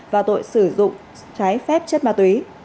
và tội sử dụng trái phép chất ma túy